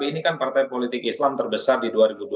ini kan partai politik islam terbesar di dua ribu dua puluh